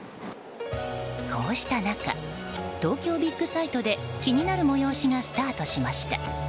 こうした中、東京ビッグサイトで気になる催しがスタートしました。